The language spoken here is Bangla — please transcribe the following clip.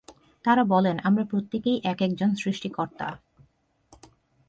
তাঁরা বলেন, আমরা প্রত্যেকেই এক একজন সৃষ্টি কর্তা।